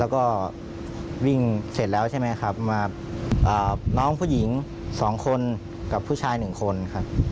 แล้วก็วิ่งเสร็จแล้วใช่ไหมครับมาน้องผู้หญิง๒คนกับผู้ชาย๑คนครับ